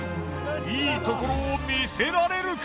いいところを見せられるか？